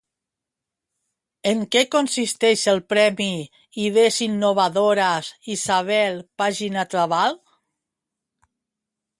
En què consisteix el Premi Idees Innovadores Isabel pàgina Trabal?